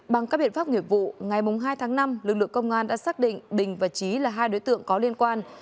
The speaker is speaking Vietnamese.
bằng các biện pháp nghiệp vụ ngày hai tháng năm lực lượng công an đã xác định bình và trí là hai đối tượng có liên quan